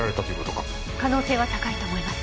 可能性は高いと思います。